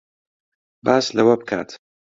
باس لەوە بکات